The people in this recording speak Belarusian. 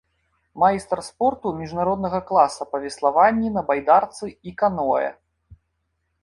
Майстар спорту міжнароднага класа па веславанні на байдарцы і каноэ.